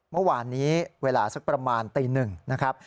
เมื่อวานนี้เวลาสักประมาณตีหนึ่งนะครับ